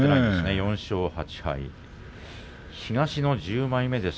４勝８敗です。